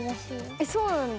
えっそうなんだ。